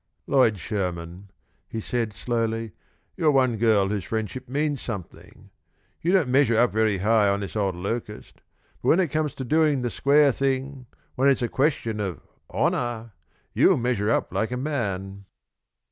"Lloyd Sherman," he said, slowly, "you're one girl whose friendship means something. You don't measure up very high on this old locust, but when it comes to doing the square thing when it's a question of honor, you measure up like a man!"